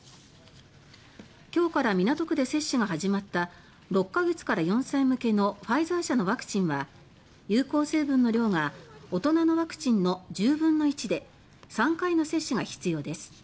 今日から港区で接種が始まった６か月から４歳向けのファイザー社のワクチンは有効成分の量が大人のワクチンの１０分の１で３回の接種が必要です。